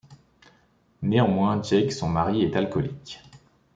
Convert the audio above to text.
Néanmoins, Jake, son mari, est alcoolique.